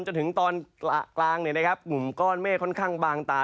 จนถึงตอนกลางเนี้ยนะครับกลุ่มก้อนเมฆค่อนข้างบางตา